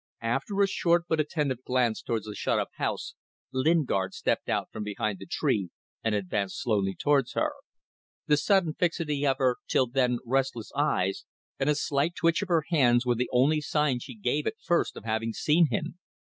After a short but attentive glance towards the shut up house, Lingard stepped out from behind the tree and advanced slowly towards her. The sudden fixity of her till then restless eyes and a slight twitch of her hands were the only signs she gave at first of having seen him.